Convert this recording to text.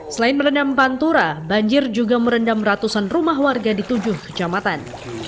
selain merendam pantura banjir juga merendam ratusan rumah warga di tujuh kecamatan